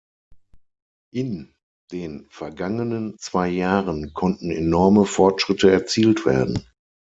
In den vergangenen zwei Jahren konnten enorme Fortschritte erzielt werden.